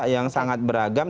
yang sangat beragam